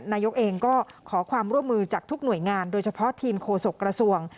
นายกเองก็ขอความร่วมมือจากทุกหน่วยงานโดยเฉพาะทีมโฆษกระทรวง